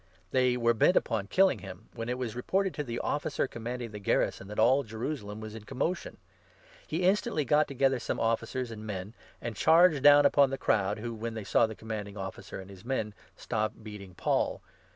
They were bent upon killing him, when it was 31 reported to the Officer commanding the garrison, that all Jerusalem was in commotion. He instantly got together 32 some officers and men, and charged down upon the crowd, who, when they saw the Commanding Officer and his men, stopped beating Paul.